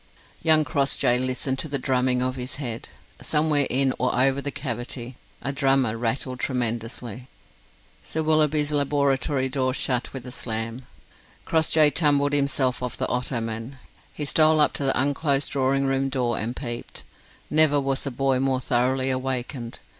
Young Crossjay listened to the drumming of his head. Somewhere in or over the cavity a drummer rattled tremendously. Sir Willoughby's laboratory door shut with a slam. Crossjay tumbled himself off the ottoman. He stole up to the unclosed drawing room door, and peeped. Never was a boy more thoroughly awakened.